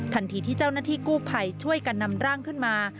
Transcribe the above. ทันทีที่เจ้าหน้าที่กู้ภัยช่วยกันนำร่างขึ้นมา